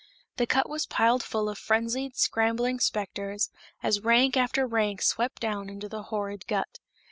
The cut was piled full of frenzied, scrambling specters, as rank after rank swept down into the horrid gut.